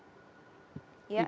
nah yang gambar berikutnya